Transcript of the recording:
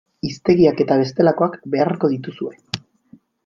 Hiztegiak eta bestelakoak beharko dituzue.